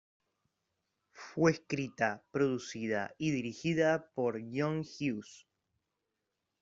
Fue escrita, producida y dirigida por John Hughes.